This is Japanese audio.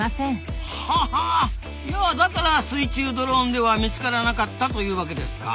いやあだから水中ドローンでは見つからなかったというわけですか。